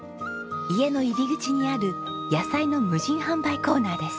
家の入り口にある野菜の無人販売コーナーです。